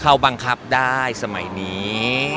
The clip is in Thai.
เขาบังคับได้สมัยนี้